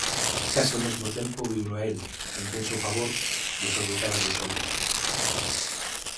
case ao mesmo tempo viuno a el, o intenso pavor desorbitáballe os ollos.